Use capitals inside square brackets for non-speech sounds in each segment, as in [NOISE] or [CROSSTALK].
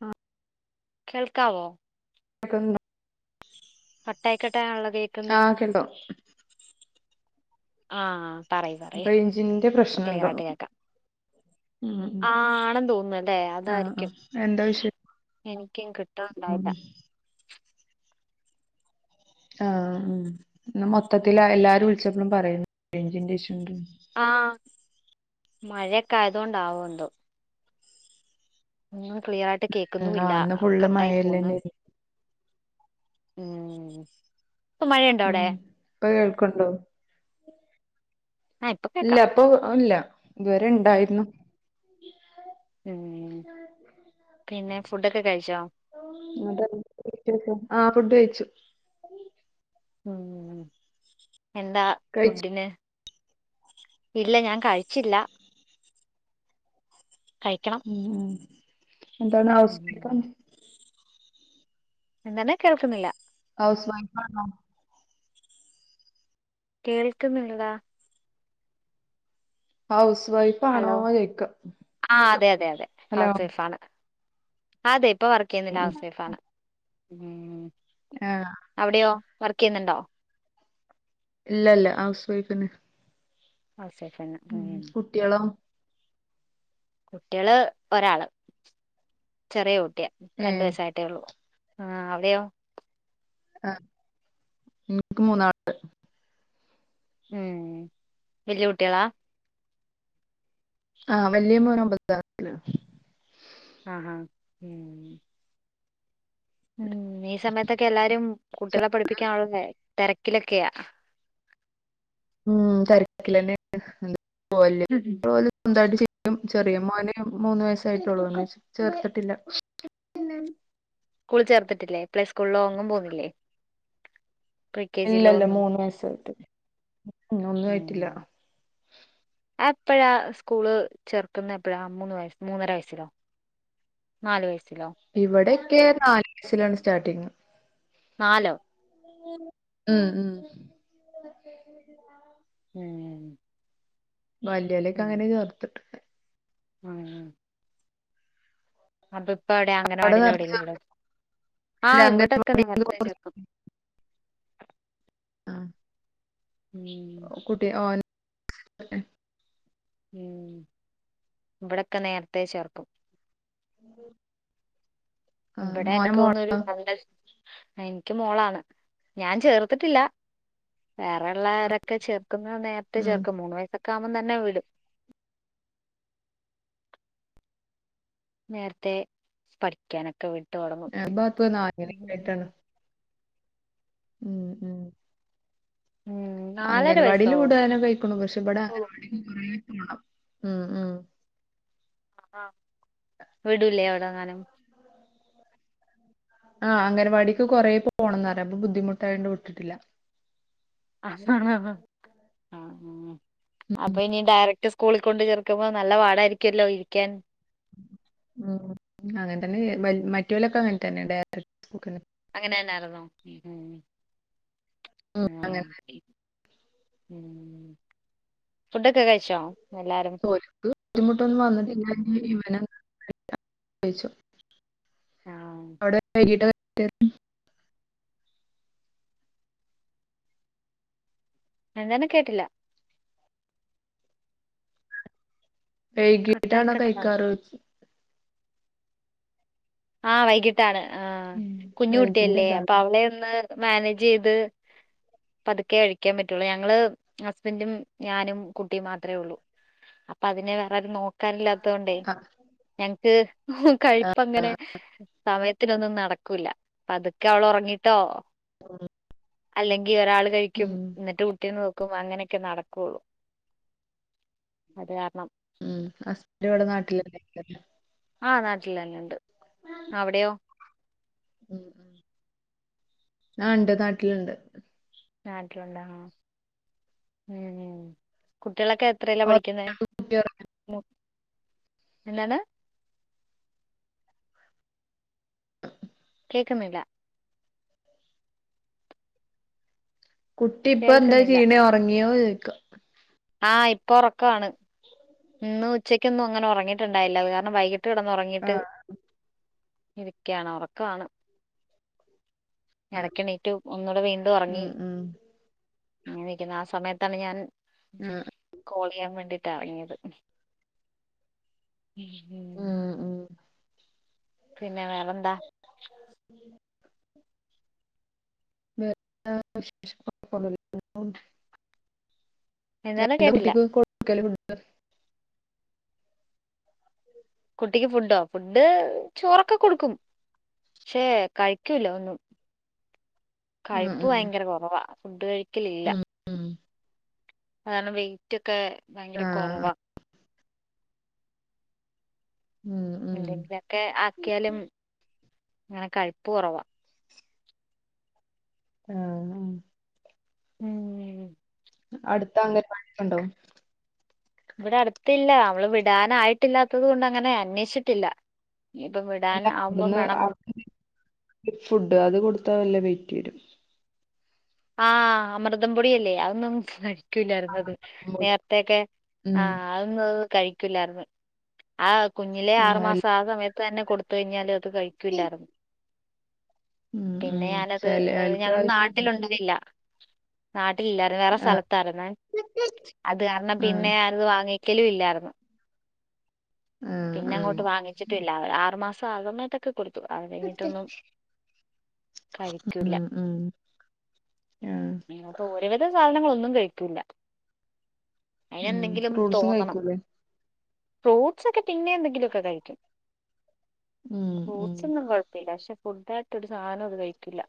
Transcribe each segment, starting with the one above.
ആ കേൾക്കാവോ ആക്ക പട്ടായിക്കട്ടായ ഉള്ളത് ആ [UNINTELLIGIBLE] ആ പറയു പറയു റേഞ്ചിന്റെ ഇപ്പൊ പ്രശ്നണ്ടോ ക്ലിയറായിട്ട് കേക്കാം ഉം ഉം ആ ആണെന്ന് തോന്നുന്നല്ലെ ആഹ് അതായിരിക്കും ആഹ് എന്താ വിഷയം എനിക്കും ഉം കിട്ടുന്നുണ്ടായില്ല ആ ഉം ഇന്ന് മൊത്തത്തി എല്ലാരും വിളിച്ചപ്പളും പറയുന്നു രയിജിന്റെ ഇഷ്യൂ ഉണ്ടെന്ന് ആ മഴയൊക്കെ ആയതൊണ്ടാവും എന്തോ ഒന്നും ക്ലിയർ ആയിട്ട് ഉം കേക്കുന്നുമില്ല ആഹ് ഇന്ന് ഫുള്ള് കട്ടായി പോന്ന് മഴയല്ലന്നേര്ന്നു ഉം ഇപ്പൊ മഴയുണ്ടോ ഉം അവിടെ ഇപ്പ കേൾക്കണ്ടോ ആഹ് ഇപ്പൊ ഇല്ല കേക്കാം അപ്പൊ ഇല്ല ഇതുവരെ ഇണ്ടായിരുന്നു ഉം ഉ പിന്നെ ഫുടൊക്കെ കഴിച്ചോ അത ആഹ ഫുഡ് കഴിച്ചു ഉം എന്താ കഴിച്ചു ഫുഡിന് ഇല്ല ഞാൻ കഴിച്ചില്ല കഴിക്കണം ഉം ഉ എന്താണ് [UNINTELLIGIBLE] എന്തണ് കേൾക്കുന്നില്ല ഹൗസ് വൈഫാണോ കേൾക്കുന്നില്ലട ഹൌസ് ഹലോ ആ അതെ അതെ അതെ ഹലോ ഹൗസ് വൈഫ് ആണ് അതെ ഇപ്പൊ വർക്ക് ചെയ്യുന്നില്ല ഉം ഉം ഹൌസ് വൈഫ്‌ ആണ് ആഹ് അവിടെയോ വർക്ക് ചെയ്യുന്നുണ്ടോ ഇല്ലല്ല ഹൗസ് വൈഫന്നെ ഹൗസ് വൈഫെന്നെ ഉം കുട്ടികളും കുട്ടികള് ഒരാള് ചെറിയ കുട്ടിയ രണ്ടു ഏഹ് വയസായിട്ടേ ഉള്ളൂ ആഹ അവിടെയോ ആ എനിക്ക് മൂന്നാള് ഉം വല്ല്യ കുട്ടികളാ ആഹ വലിയ മോന ഒമ്പതാക്ലാസ്സില് ആഹ് ഹഹ് ഉം ഉം ഈ സമയത്തൊക്കെ എല്ലാരും കുട്ടികളെ പഠിപ്പിക്കാനുള്ള തിരക്കിലൊക്കെയാ [INAUDIBLE] ഉം [UNINTELLIGIBLE] ചെറിയ മോന് മൂന്നു വയസായിട്ടുള്ളൂ ചേർത്തിട്ടില്ല സ്കൂൾ ചേർത്തിട്ടില്ലേ പ്ലെ സ്കൂളോന്നും പോണില്ലേ ഇല്ലല്ല മൂന്ന് വയസായിട്ടൊള്ളു ഉം ഒന്നും ആയിട്ടില്ല എപ്പഴാ സ്കൂള് ചേർക്കുന്ന എപ്പോഴാ മൂന്ന് വയ മൂന്നര വയസ്സിലോ നാല് വയസ് ഇവിടൊക്കെ നാല് വയസിലാണ് സ്റ്റാർട്ടിങ് നാലോ ഉം ഉം ഉം വല്യലൊക്കെ ഉം അങ്ങനെ ചേർത്തിട്ട് [UNINTELLIGIBLE] അപ്പൊ ഇപ്പ എവിടെ അവിടെ അംഗൻവാടില് നേരത്തെ എവിടെേങ്കിലും ചേർത്തി വി ഇല്ല ആഹ് ഇവിടെക്കെ അംഗൻവാടി നേരുത്തേ കുറച്ച് ചേർക്കും ആഹ് ഉം [UNINTELLIGIBLE] ഉം ഇവിടെക്കെ നേരത്തെ ചേർക്കും [INAUDIBLE] ആഹ് ഇവിടെ മോനെ എനിക്ക് മോള് തോന്നുന്നു ഒരു [UNINTELLIGIBLE] എനിക്ക് മോളാണ് ഞാൻ ചേർത്തിട്ടില്ല വേറെ ഉള്ളവരൊക്കെ ചേർക്കുന്ന നേരത്തെ ഉം ചേർക്കും മൂന്ന് വയസ ക്കാമെന്ന് തന്നെ വിടും നേരത്തെ പഠിക്കാനക്കെ വി [UNINTELLIGIBLE] ഉം ഉം ഉം നാലര അംഗൻവാടിൽ വയസ്സോ വിടാനെ കഴിക്കണു പക്ഷെ ഇവിടെ ഓ, [UNINTELLIGIBLE] ഉം ഉം ആഹ വിടുല്ലേ അവിടങ്ങാനും ആഹ് അംഗൻവാടിക്ക് കൊറേ പോണം അപ്പൊ ബുദ്ധിമുട്ട് ആയോണ്ട് വിട്ടിട്ടില്ല. ആഹ് ആഹ് അപ്പൊ ഇനി ഡയറക്ട് സ്കൂളിൽ കൊണ്ട് ചേർക്കുമ്പോ നല്ല പാടായിരിക്കല്ലോ ഇരിക്കാൻ. ഉം അങ്ങനെ തന്നെ മറ്റ പോലൊക്കെ അങ്ങനെ തന്നെ [UNINTELLIGIBLE] അങ്ങനെന്നരുന്നു ഉം ഉം. ഉം ഫുഡൊക്കെ കഴിച്ചോ? എല്ലാരും ഒരിക്ക് ബുദ്ധിമുട്ടൊന്നും വന്നിട്ടില്ല ഇവനു കഴിച്ചു. ആഹ് [UNINTELLIGIBLE] എന്താനെ കേട്ടില്ല. വൈകീട്ടാണോ കട്ടായിക്കട്ട കഴിക്കാറ്. ആഹ് വൈകിട്ടാണ് ആഹ് ഉം കുഞ്ഞ് റേഞ്ചിന്റെ കുട്ടിയല്ലേ അപ്പൊ ഇതാണ് അവളെ ഒന്ന് മാനേജ് ചെയ്ത്. പതുക്കെ കഴിക്കാൻ പറ്റുള്ളൂ. ഞങ്ങള് ഹസ്ബൻറും ഞാനും കുട്ടിയും മാത്രമേ ഉള്ളൂ. അപ്പൊ അതിനെ വേറെരും നോക്കാനില്ലാത്ത കൊണ്ടേ? ആ ഞങ്ങക്ക് കഴിപ്പ അങ്ങനെ സമയത്തിനൊന്നും നടക്കൂല്ല. പതുക്കെ അവൾ ഉറങ്ങിട്ടോ. ഉം അല്ലെങ്കിൽ ഒരാൾ കഴിക്കും എന്നിട്ട് കുട്ടി നോ ക്കും അങ്ങനെയൊക്കെ നടക്കുള്ളൂ അത് കാരണം. ഉം ഹസ്ബൻഡ് അവിടെ നാട്ടില് [UNINTELLIGIBLE] ആ നാട്ടിലന്നെണ്ട് അവ്ടെയോ? മ് മ് ആ ണ്ട് നാട്ടില്ണ്ട് നാട്ട്ലുണ്ട ആ ഏ കു ട്ട്യേളക്കെ എത്രേല ഓ, പഠിക്കുന്നെ? കുട്ടി ഉറ- എന്താണ്. കേക്ക്ന്ന്ല്ല. കുട്ടി ഇപ്പൊ എന്താ കേൾക്കുന്നില്ല ചെയ്യ്ണെ ഒറങ്ങിയോ ചോയ്ക്ക. ആഹ് ഇപ്പൊറക്കാണ് ഇന്ന് ഉച്ചക്കൊന്നും അങ്ങനെ ഉറങ്ങിട്ട്ണ്ടായില അത് കാരണം വൈകി ട്ട് കെടന്നൊറങ്ങിട്ട് ആഹ് ഇരിക്കാണ്. ഒറക്കാണ് ആഹ് എടക്കെണീറ്റു ഒന്നൂടെ വീണ്ടും ഒറങ്ങി. ഉം ഉം അങ്ങനിക്കുന്ന ആ സമയത്താണ്. ഞാൻ ആഹ് കോൾ ചെയ്യാൻ വേണ്ടി. ട്ടറങ്ങിയത്. ഉം ഉം പിന്നെ വേറെന്താ? [INAUDIBLE] [UNINTELLIGIBLE] ഇങ്ങനെ പോകുന്നു. ഞ എന്താണ് ന്റെ കേട്ടില്ല കുട്ടിക്ക് കൊക്കല് ഫുഡ് കുട്ടിക്ക് ഫുഡോ ഫുഡ് ചോറൊക്കെ കൊട്ക്കും. ക്ഷേ കഴിക്കൂല ഒന്നും. ഉം കഴിപ്പ് ഉം ഭയങ്കര കൊറവാ ഫുഡ് കഴി ഉം ഉം കാരണം വെയ്റ്റൊക്കെ ഭയങ്കര കൊറവ ആഹ് ഉം ഉം [UNINTELLIGIBLE] ലൊക്കെ ആക്കിയാലും ഇങ്ങനെ കഴിപ്പ് കൊറവ ആ ആ ഉം അടുത്തങ്ങെൻവാടിയൊക്കണ്ടോ? വ്ടെ അടുത്ത്ല്ല അവള് വിടാനായിട്ടില്ലാത്തത് കൊണ്ടങ്ങനെ അന്വേഷിട്ടില്ല. അല്ല അവിടുന്ന് അവി [UNINTELLIGIBLE] ഫുഡ് അത് കൊടുത്താ നല്ല വെയ്റ്റ് വരും ആ അമൃതംപൊടിയല്ലേ അതന്നും കഴി ക്കൂലാര്ന്നത് നേരത്തൊക്കെ ആ അതന്ന കഴി [UNINTELLIGIBLE] ആ കുഞ്ഞിലെ ആറ് ആഹ് എല്ല മാസം ആ സമയത്തന്നെ കൊടുത്തഴിഞ്ഞാല്. കഴിക്കൂലാർന്ന് ഉം ഉം പിന്നെ ഞാനത് ചെല ആൾക്ക് ഞങ്ങള് ആഹ് നാട്ടിലുണ്ടതയില്ല നാ ട്ടില്ലായിരുന്നു വേറെ സ്ഥലത്താര്ന്നെ അത് കാരണം ആഹ് പിന്നെ ഞാനത് വാങ്ങിക്കലും ഇല്ലാർന്ന് ആഹ് പിന്നെ ആഹ് അങ്ങോട്ട് വാങ്ങിച്ചിട്ട്ല്ല ആറ് മാസം ആക്ന്നത്തൊക്കെ കൊട് അത കയ്ഞ്ഞിട്ടൊന്നും കഴിക്കൂല്ല ഉം ഉം ആഹ് ഒര് വിധം സാധനങ്ങളൊന്നും കഴിക്കൂല്ല ഉം അയിനെന്തെങ്കിലും ഫ്രൂട്ട്സും തോന്നണം കഴിക്കൂലേ ഫ്രൂട്ടസൊക്കെ പിന്നെന്തെങ്കിലൊക്കെ കഴിക്കും ഉം ഉം ഫ്രൂട്ടസൊന്നും കൊഴപ്പില്ല ക്ഷെ റ്റൊരു സാനത് കഴിക്കൂല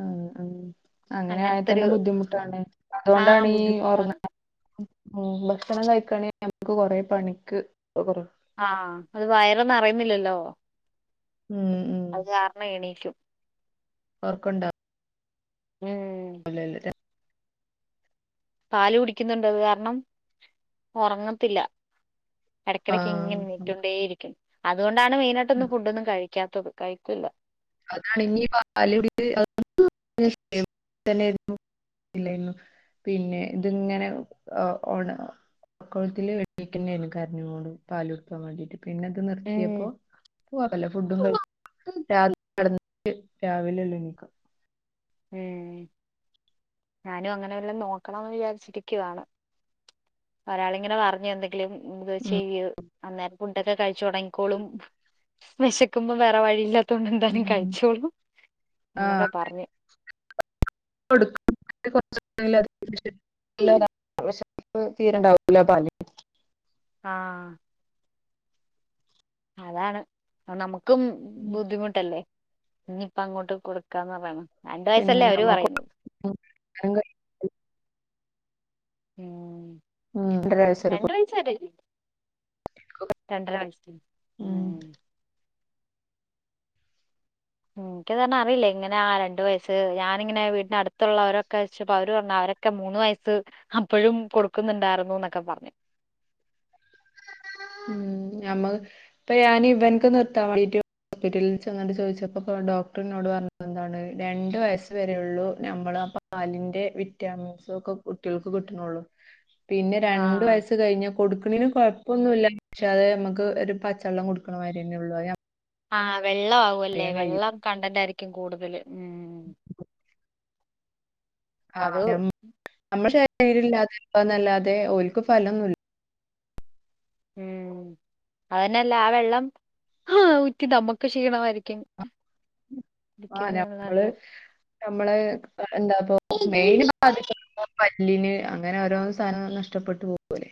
ഉം ഉം അങ്ങനെ ആയാ തന്നെ ബുദ്ധിമുട്ടാണ് ആ അതോണ്ടാണീ ഒർ ബുദ്ധിമുട്ടാണ് മ് ഭക്ഷണം കഴിക്കയാണെ നമക്ക് കൊറെ പണിക്ക് കൊറ ആ ത് വയറ് ന്നറയ്ന്നില്ലല്ലോ ഉം അത് കാരണ എണീക്കും ഒർക്കണ്ടൊ ഉം പാല് കുടിക്കുന്ന്ണ്ട് അത് കാരണം ഒറങ്ങത്തില്ല ആഹ് എടക്കെടക്ക്‌ങ്ങനെ നീറ്റൊണ്ടേയിരിക്കും അതോണ്ടാണ് മെയിനായിട്ടൊന്ന് ഫുഡൊന്നും കഴി ക്കാത്തത് കഴിക്കുല്ല അതാണ് ഇനിപാൽ കുടി തന്നെരുന്നു ഇല്ലേന്നു പിന്നെ ത്ങ്ങനെ ഒ ഓണ കൊൾത്തില് വെക്കണ്ടായിരുന്നു കരഞ്ഞോട് പാലുട്ക്കാൻ വേണ്ടിട്ട് പിന്നെ അത് ഉം നിർത്തിയപ്പോ പോവാണ്ടല്ലോ ഫുഡും കാര്യ നടന്ന് രാവിലെ ഉള്ളു എണിക്കാ ഉം ഞാനും അങ്ങനെല്ലാം നോക്കണംന്ന് വിചാരിച്ചിരിക്കുവാണ് ഒരാളിങ്ങനെ പറഞ്ഞു എന്തെ ഇത് ചെയ്യൂ അന്നേരം ഫുഡോക്കെ കഴിച്ചു തുടങ്ങിക്കോളു വെശക്കുമ്പോം വേറെ വഴിയില്ല തൊണ്ട് എന്താലും ഉം കഴിച്ചോളൂ ആഹ് എന്നൊക്കെ പറഞ്ഞു കൊടുക്കും [UNINTELLIGIBLE] പിന്നെ കൊറച്ച് വെഷപ്പ് തീരണ്ടാവൂല പാല് ആ അതാണ് അ നമുക്കും ബുദ്ധിമുട്ടല്ലേ ഇനിയിപ്പ അങ്ങോട്ട് കൊടുക്കാന്ന് പറയണം രണ്ട് പിന്നെ വയസല്ലേ അവര് ഞമ്മക്ക് പറയുന്നെ ഉം രണ്ടര വരെ രണ്ട് കൊടുക്കും വയസ്സ് വരെ രണ്ടര വയസ് ഉം എനിക്കതന്നെ അറിയില്ല അങ്ങനെ ആ രണ്ടു വയസ് ഞാനിങ്ങനെ വീടിന് അടുത്തുള്ളവരൊക്കെ ചോച്ചപ്പോ അവര് പറഞ അവരൊക്കെ മൂന്ന് വയസ് അപ്പോഴും കൊടുക്കുന്നുണ്ടായിരുന്നു എന്നൊക്കെ പറഞ്ഞു ഉം ഞമ്മക്ക് ഇപ്പ ഞാന് ഇവനക്ക് നിർത്താൻ വേണ്ടിട്ട് ഹോസ്പിറ്റലിൽച്ചെന്നിട്ട് ചോയിച്ചപ്പോ ഡോക്ടറിന്നോട് പറഞ്ഞത് എന്താണ് രണ്ട് വയസ്സ് വരെയുള്ളൂ ഞമ്മള് പാലിന്റെ വിറ്റാമിൻസൊക്കെ കുട്ടികൾക്ക് കിട്ടുന്നൊള്ളൂ പിന്നെ രണ്ട് ആഹ് വയസ്സ് കഴിഞ്ഞ കൊടുക്കണീന് കൊഴ ഒന്നുല്ല പക്ഷെ അത് നമുക്ക് ഒരു പച്ചവെള്ളം കൊടുക്കണ മാതിരിയന്നെ ഒള്ളൂ ആ വെള്ള ആവുവല്ലേ വെള്ളം കൺടെന്റയിരിക്കും കൂടുതല് ഉം ആ അത് നമ്മുടെ ശരീരം ഇല്ലാതെന്നല്ലാതെ ഓല്ക്ക് ഫലംന്നുല്ല ഉം അതന്നെയല്ല ആ വെള്ളം ഊറ്റി നമ്മുക്ക് ക്ഷീണമായിരി ആഹ് ടിക്കിന്നത് നമ്മള് എന്താ പ്പൊ മെയിന് പല്ലിന് അങ്ങനെ ഓരോ സാധനം നഷ്ട നഷ്ടപ്പെട്ടു പോവും പോലെ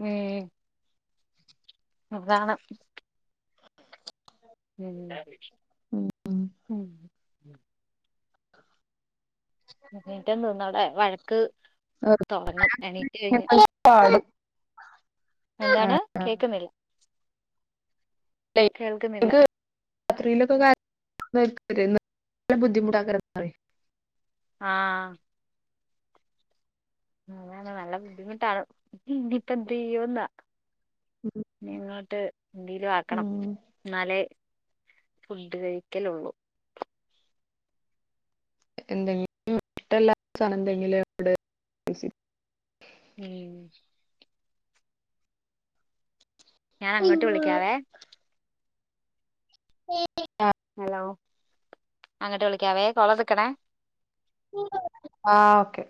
ഉം കാണാം ഉം എന്നീട്ട തിന്നടെ വഴക്ക് തൊടങ്ങും എണീറ്റ് കഴിഞ എന്താണ് കേക്കുന്നില്ല കേൾക്കുന്നില്ല [UNINTELLIGIBLE] രാത്രിയിലൊക്കെ കാ ല്ല ബുദ്ധിമുട്ടാക്കാര് ന്ന് പറയും ആഹ നല്ല ബുദ്ധിമുട്ടാണ് ഇനിയിപ്പ എന്ത് ചെയ്യുന്നാ ഇങ്ങോട്ട് എന്തെലും ആക്കണം ഉം എന്നാലെ ഫുഡ് കഴിക്കലൊള്ളൂ എന്തെങ്കിലും ഇഷ്ടല്ലാത്ത എന്തെങ്കിലുംവിടെ ഉം ഞാൻ അങ്ങോട്ട് വിളിക്കാവേ ഹലോ അങ്ങട്ട് വിളിക്കാവേ കൊളടെക്കണേ ആഹ ഓക്കെ